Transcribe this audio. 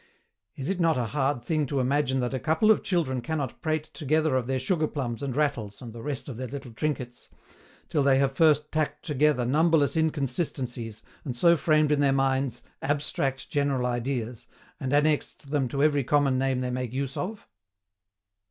Is it not a hard thing to imagine that a couple of children cannot prate together of their sugar plums and rattles and the rest of their little trinkets, till they have first tacked together numberless inconsistencies, and so framed in their minds ABSTRACT GENERAL IDEAS, and annexed them to every common name they make use of?